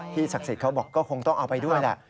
ศักดิ์สิทธิ์เขาบอกก็คงต้องเอาไปด้วยแหละ